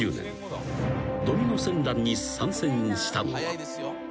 ドミノ戦乱に参戦したのは］